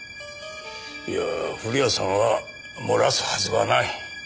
いやあ古谷さんは漏らすはずはない。